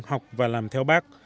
học và làm theo bác